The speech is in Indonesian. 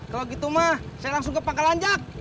kalau gitu ma saya langsung ke pangkalan jak